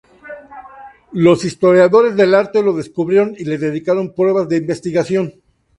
Los historiadores del arte lo descubrieron y le dedicaron pruebas de investigación.